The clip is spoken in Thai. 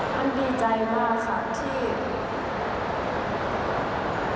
มันดีใจมากครับที่